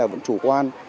vẫn chủ quan